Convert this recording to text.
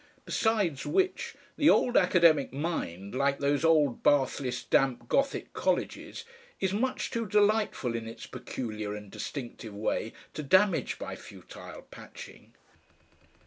Besides which the old Academic mind, like those old bathless, damp Gothic colleges, is much too delightful in its peculiar and distinctive way to damage by futile patching.